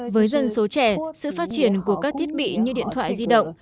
với dân số trẻ sự phát triển của các thiết bị như điện thoại di động